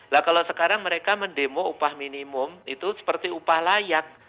nah kalau sekarang mereka mendemo upah minimum itu seperti upah layak